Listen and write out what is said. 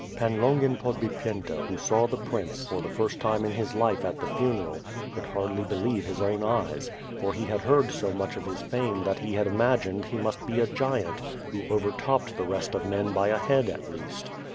Pan Longin Podbipyenta who saw the prince, for the first time in his life at the funeral could hardly believe his own eyes, for he had heard so much of his fame that he had imagined he must be a giant, who overtopped the rest of men by a head at least.